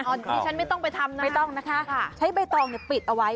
อันนี้ฉันไม่ต้องไปทำนะไม่ต้องนะคะใช้ใบตองปิดเอาไว้